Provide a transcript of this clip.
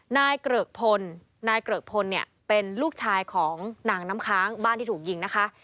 นายเกริกพลนายเกริกพลเนี่ยเป็นลูกชายของนางน้ำค้างบ้านที่ถูกยิงนะคะ